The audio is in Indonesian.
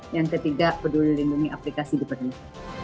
yang ketiga peduli lindungi aplikasi diperlukan